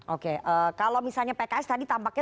oke kalau misalnya pks tadi tampaknya